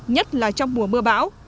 nhất là trong mùa mưa bão